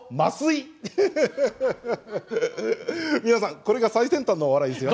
皆さんこれが最先端のお笑いですよ。